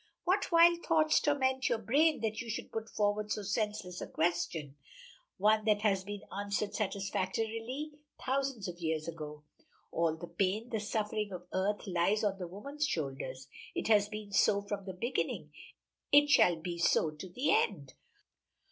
What wild thoughts torment your brain that you should put forward so senseless a question? one that has been answered satisfactorily thousands of years ago. All the pain, the suffering of earth lies on the woman's shoulders; it has been so from the beginning it shall be so to the end.